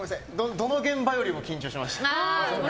どの現場よりも緊張しました。